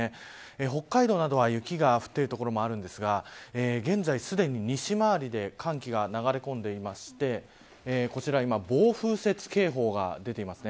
北海道などは雪が降っている所もあるんですが現在すでに西回りで寒気が流れ込んでいましてこちら今暴風雪警報が出ていますね。